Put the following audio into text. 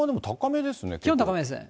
気温高めですね。